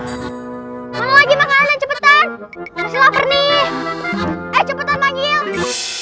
mau lagi makan raden cepetan harusnya lapar nih ayo cepetan manggil